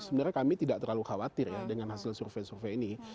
sebenarnya kami tidak terlalu khawatir ya dengan hasil survei survei ini